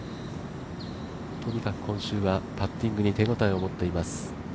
とにかく今週はパッティングに手応えを持っています。